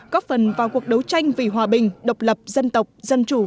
góp phần vào cuộc đấu tranh vì hòa bình độc lập dân tộc dân chủ